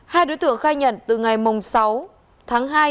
hai đối tượng khai nhận từ ngày sáu tháng hai